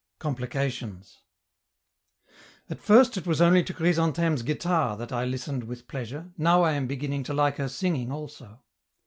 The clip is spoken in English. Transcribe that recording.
COMPLICATIONS At first it was only to Chrysantheme's guitar that I listened with pleasure now I am beginning to like her singing also.